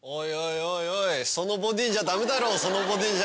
おいおいそのボディじゃダメだろそのボディじゃ。